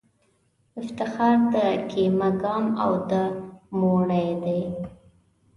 افتخار د کېمه ګام او د موڼی دی